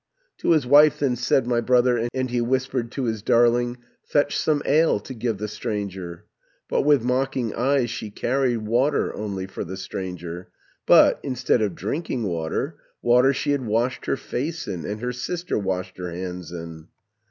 "To his wife then said my brother, And he whispered to his darling, 'Fetch some ale to give the stranger!' But with mocking eyes she carried Water only for the stranger, But, instead of drinking water, Water she had washed her face in, And her sister washed her hands in.